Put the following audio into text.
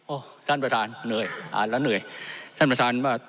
ท่านประธานเหนื่อยอ่านแล้วเหนื่อยท่านประธานว่า